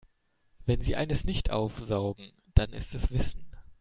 Wenn sie eines nicht aufsaugen, dann ist es Wissen.